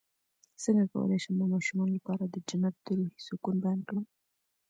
څنګه کولی شم د ماشومانو لپاره د جنت د روحي سکون بیان کړم